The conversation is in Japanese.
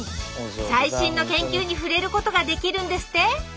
最新の研究に触れることができるんですって？